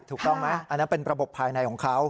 ถูกต้องไหมอันนั้นเป็นระบบภายในของเขา